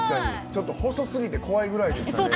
ちょっと細すぎて怖いぐらいでしたね。